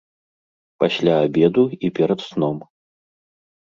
Пасля абеду і перад сном.